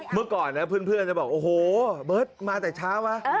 เมื่อก่อนนะเพื่อนจะบอกโอ้โหเบิร์ตมาแต่เช้าวะ